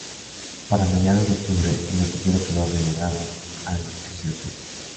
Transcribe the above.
Para mediados de octubre, el noticiero quedó relegado al tercer puesto.